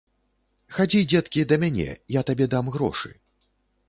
Хадзі, дзеткі, да мяне, я табе дам грошы.